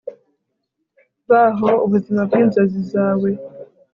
baho ubuzima bwinzozi zawe